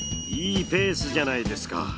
いいペースじゃないですか。